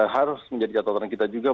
harus menjadi catatan kita juga